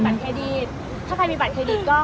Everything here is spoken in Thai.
นี่แหละมีอะไรอะไรเขียนอะไรบ้าง